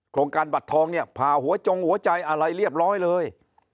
โครงการบัตรทองเนี่ยผ่าหัวจงหัวใจอะไรเรียบร้อยเลย